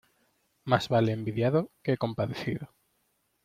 Más vale envidiado que compadecido.